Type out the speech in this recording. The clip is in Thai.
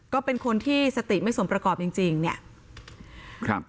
ก็เป็นคนที่สติไม่สมประกอบจริงจริงเนี่ยครับ